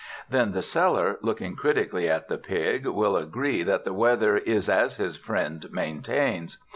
Then the seller, looking critically at the pig, will agree that the weather is as his friend maintains.